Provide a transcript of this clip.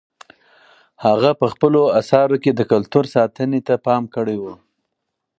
هغه په خپلو اثارو کې د کلتور ساتنې ته پام کړی و.